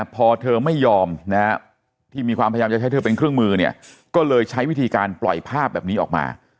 พอเธอไม่ยอมที่มีความพยายามจะใช้เธอเป็นเครื่องมือเนี่ยก็เลยใช้วิธีการปล่อยภาพแบบนี้ออกมา